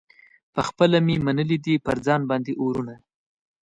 پخپله مي منلي دي پر ځان باندي اورونه